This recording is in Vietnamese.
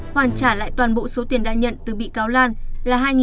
hoàn trả lại toàn bộ số tiền đã nhận từ bị cáo lan